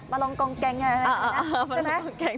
มาลองกองแกงเงินใช่ไหม